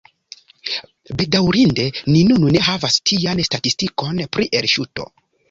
Bedaŭrinde ni nun ne havas tian statistikon pri elŝuto.